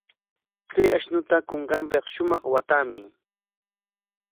Chay ashnuta kunkanpik shumaq waatamuy.